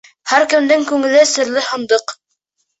Һәр кемдең күңеле — серле һандыҡ.